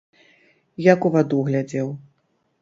Як у ваду глядзеў!